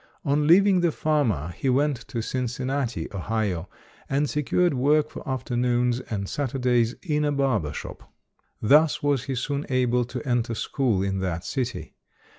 On leaving the farmer, he went to Cincinnati, Ohio, and secured work for afternoons and Sat urdays, in a barber shop. Thus was he soon able to enter school .in that city.